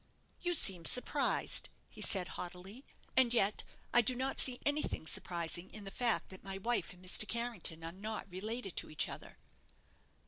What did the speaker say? "You seem surprised," he said, haughtily, "and yet I do not see anything surprising in the fact that my wife and Mr. Carrington are not related to each other."